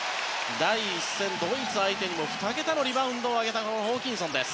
第１戦のドイツ相手にも２桁のリバウンドを挙げたホーキンソンです。